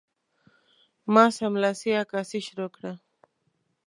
ما سملاسي عکاسي شروع کړه.